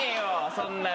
そんなの。